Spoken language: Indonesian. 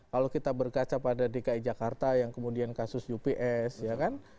kalau kita berkaca pada dki jakarta yang kemudian kasus ups ya kan